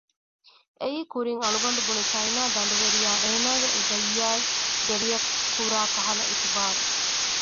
އެއީ ކުރިން އަޅުގަނޑު ބުނި ޗައިނާ ދަނޑުވެރިޔާ އޭނާގެ އުދައްޔާއި ގެރިއަށް ކުރާކަހަލަ އިތުބާރު